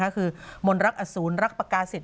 คือมนรักอสูรรักปากกาศิษ